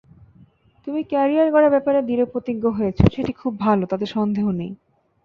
তুমি ক্যারিয়ার গড়ার ব্যাপারে দৃঢ়প্রতিজ্ঞ হয়েছ, সেটি খুব ভালো, তাতে সন্দেহ নেই।